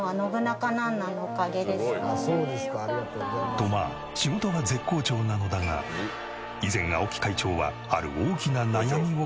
とまあ仕事は絶好調なのだが以前青木会長はある大きな悩みを抱えていた。